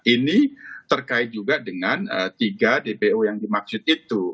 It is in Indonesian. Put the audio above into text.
ini terkait juga dengan tiga dpo yang dimaksud itu